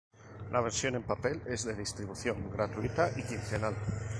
La versión en papel es de distribución gratuita y quincenal.